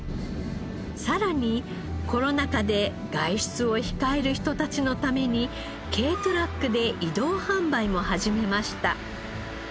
さらにコロナ禍で外出を控える人たちのために軽トラックで移動販売も始めました。